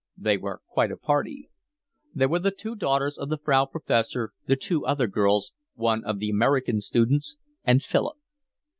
They were quite a party. There were the two daughters of the Frau Professor, the two other girls, one of the American students, and Philip.